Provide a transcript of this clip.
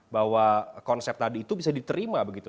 bahwa konsep tadi itu bisa diterima begitu